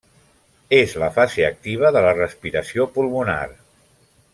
És la fase activa de la respiració pulmonar.